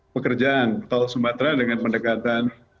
pekerjaan tol sumatera dengan pendekatan